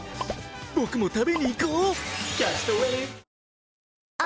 僕も食べにいこう！